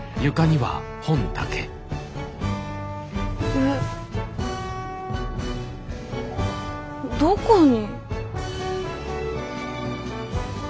えどこに？